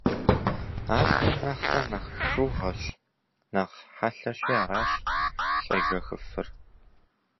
Ар хым нэхърэ нэхъ шыугъэщ, нэхъ хъэлъэщи аращ щӏежэхыфыр.